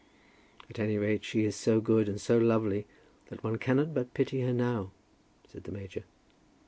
"At any rate, she is so good and so lovely that one cannot but pity her now," said the major.